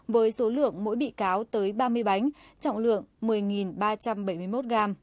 với số lượng mỗi bị cáo tới ba mươi bánh trọng lượng một mươi ba trăm bảy mươi một g